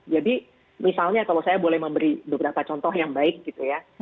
jadi misalnya kalau saya boleh memberi beberapa contoh yang baik gitu ya